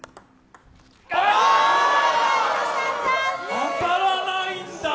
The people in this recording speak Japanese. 当たらないんだ。